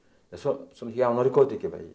その批判を乗り越えていけばいい。